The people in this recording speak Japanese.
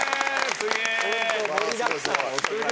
すげえ。